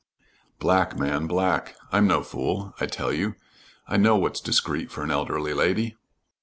"Black, man, black. I'm no fool, I tell you. I know what's discreet for an elderly lady."